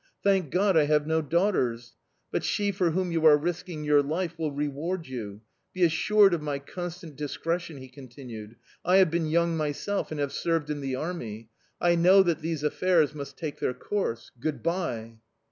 Thank God I have no daughters! But she for whom you are risking your life will reward you. Be assured of my constant discretion," he continued. "I have been young myself and have served in the army: I know that these affairs must take their course. Good bye."